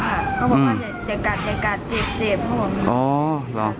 เขาบอกว่าอย่ากัดอย่ากัดเจ็บห้อง